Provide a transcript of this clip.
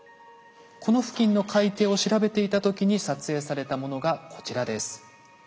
この付近の海底を調べていた時に撮影されたものがこちらです。